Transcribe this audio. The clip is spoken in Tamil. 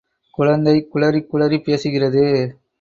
குழந்தை குழறிக் குழறிப் பேசுகிறது.